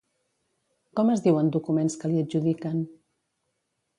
Com es diuen documents que li adjudiquen?